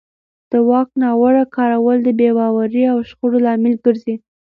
د واک ناوړه کارول د بې باورۍ او شخړو لامل ګرځي